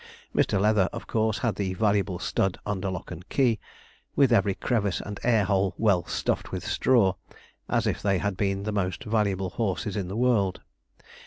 Mr. Leather, of course, had the valuable stud under lock and key, with every crevice and air hole well stuffed with straw, as if they had been the most valuable horses in the world.